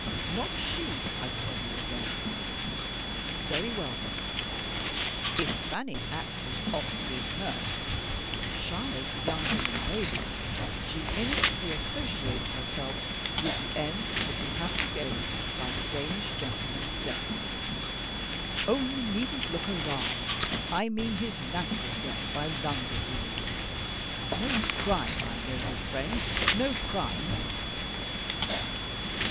Not she, I tell you again! Very well, then if Fanny acts as Oxbye's nurse, shy as the young woman may be, she innocently associates herself with the end that we have to gain by the Danish gentleman's death! Oh, you needn't look alarmed! I mean his natural death by lung disease no crime, my noble friend! no crime!"